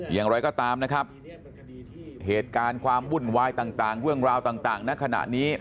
อย่างไรก็ตามนะครับเหตุการณ์ความวุ่นวายต่างเรื่องราวต่างณขณะนี้